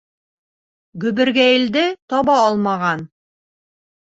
Гөбөргәйелде таба алмаған.